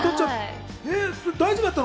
大丈夫だったの？